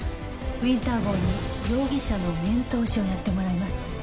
「ウィンター号」に容疑者の面通しをやってもらいます。